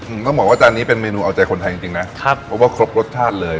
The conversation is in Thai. ต้องบอกว่าจานนี้เป็นเมนูเอาใจคนไทยจริงจริงนะครับเพราะว่าครบรสชาติเลย